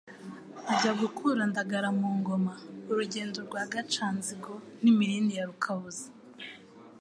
Ajya gukura Ndagara mu ngoma Urugendo rwa Gaca-nzigo N’imirindi ya Rukabuza,